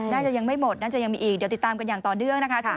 น่าจะยังไม่หมดน่าจะยังมีอีกเดี๋ยวติดตามกันอย่างต่อเนื่องนะคะ